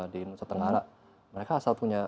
di setengah arak mereka asal punya